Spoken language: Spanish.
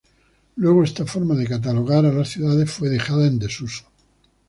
Luego esta forma de catalogar a las ciudades fue dejada en desuso.